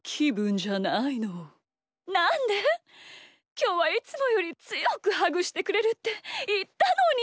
きょうはいつもよりつよくハグしてくれるっていったのに！